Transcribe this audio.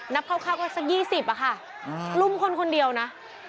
นับคร่าวก็สักยี่สิบอ่ะค่ะอืมรุมคนคนเดียวน่ะ